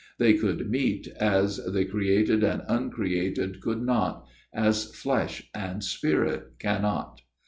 They could meet as the created and uncreated could not as flesh and spirit cannot.